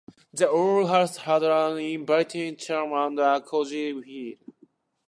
The old house had an inviting charm and a cozy feel.